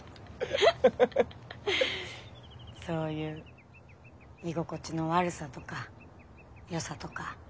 そういう居心地の悪さとかよさとか。